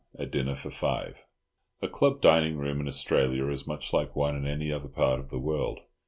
A DINNER FOR FIVE. A club dining room in Australia is much like one in any other part of the world.